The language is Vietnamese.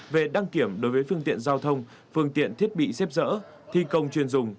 về đăng kiểm đối với phương tiện giao thông phương tiện thiết bị xếp dỡ thi công chuyên dùng